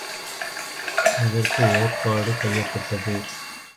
அதற்கு ஏற்பாடு செய்யப்பட்டது.